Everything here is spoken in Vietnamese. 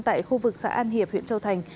tại khu vực xã an hiệp huyện châu thành